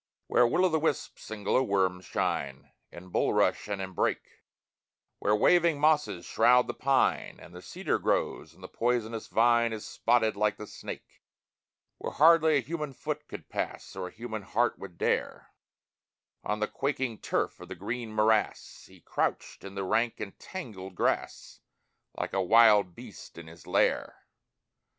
Where will o' the wisps and glowworms shine, In bulrush and in brake; Where waving mosses shroud the pine, And the cedar grows, and the poisonous vine Is spotted like the snake; Where hardly a human foot could pass, Or a human heart would dare, On the quaking turf of the green morass He crouched in the rank and tangled grass, Like a wild beast in his lair.